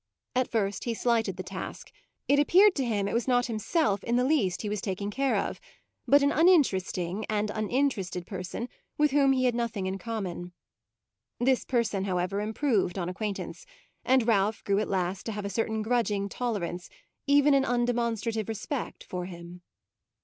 At first he slighted the task; it appeared to him it was not himself in the least he was taking care of, but an uninteresting and uninterested person with whom he had nothing in common. This person, however, improved on acquaintance, and Ralph grew at last to have a certain grudging tolerance, even an undemonstrative respect, for him.